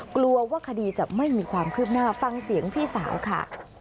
กลัวว่าคดีจะไม่มีความคืบหน้าฟังเสียงพี่สาวค่ะ